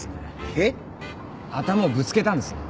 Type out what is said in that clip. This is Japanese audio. ヒッ？頭をぶつけたんですね。